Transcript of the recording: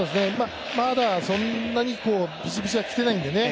まだ、そんなにびしびしはきてないのでね